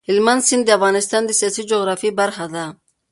هلمند سیند د افغانستان د سیاسي جغرافیه برخه ده.